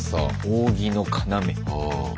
「扇の要」。